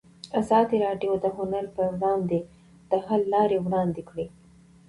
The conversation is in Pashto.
ازادي راډیو د هنر پر وړاندې د حل لارې وړاندې کړي.